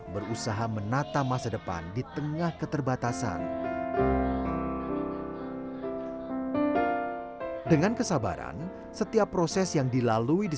berusaha menata masa depan di tengah keterbatasan dengan kesabaran setiap proses yang dilalui di